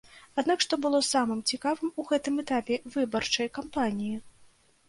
Аднак што было самым цікавым у гэтым этапе выбарчай кампаніі?